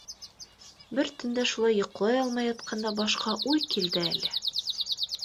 Бер төндә, шулай йоҡлай алмай ятҡанда, башҡа уй килде әле.